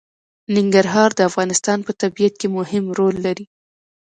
ننګرهار د افغانستان په طبیعت کې مهم رول لري.